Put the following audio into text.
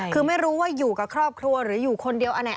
คือไม่รู้ว่าอยู่กับครอบครัวหรืออยู่คนเดียวอันไหน